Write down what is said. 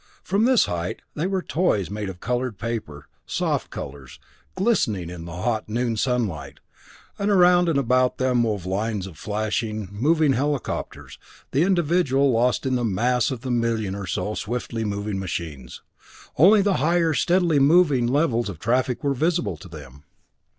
From this height they were toys made of colored paper, soft colors glistening in the hot noon sunlight, and around and about them wove lines of flashing, moving helicopters, the individual lost in the mass of the million or so swiftly moving machines. Only the higher, steadily moving levels of traffic were visible to them.